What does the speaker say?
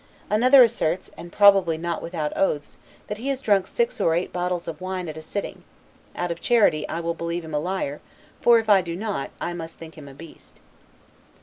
Another asserts, and probably not without oaths, that he has drunk six or eight bottles of wine at a sitting; out of charity, I will believe him a liar; for, if I do not, I must think him a beast.